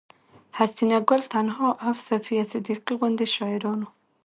حسينه ګل تنها او صفيه صديقي غوندې شاعرانو